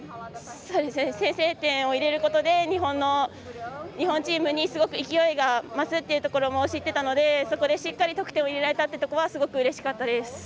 先制点を入れることで日本チームにすごく勢いが増すというのも知っていたのでそこでしっかり得点を入れられたというところはすごくうれしかったです。